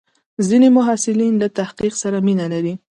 ځینې محصلین له تحقیق سره مینه لري.